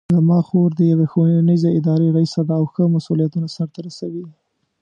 زما خور د یوې ښوونیزې ادارې ریسه ده او ښه مسؤلیتونه سرته رسوي